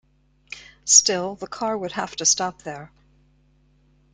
Still the car would have to stop there.